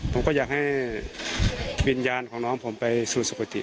ผมก็อยากให้วิญญาณของน้องผมไปสู่สุขติ